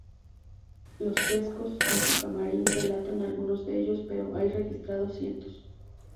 Los frescos de su camarín relatan algunos de ellos, pero hay registrados cientos.